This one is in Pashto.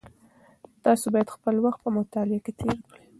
تاسو باید خپل وخت په مطالعه کې تېر کړئ.